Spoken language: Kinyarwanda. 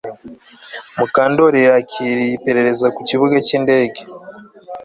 Mukandoli yakiriye iperereza ku kibuga cyindege